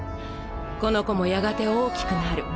この子もやがて大きくなる。